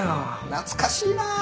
懐かしいな！